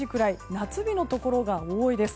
夏日のところが多いです。